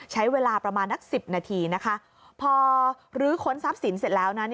ใช้เวลาประมาณนัก๑๐นาทีนะคะพอลื้อค้นทรัพย์สินเสร็จแล้วนะ